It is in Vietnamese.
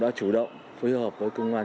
đã chủ động phối hợp với công an